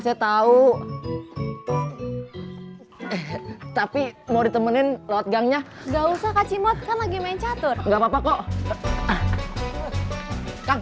saya tahu tapi mau ditemenin lotgangnya gak usah kacimot kan lagi main catur nggak papa kok